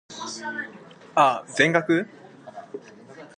There is a distinctive black blotch near the base of each pectoral fin.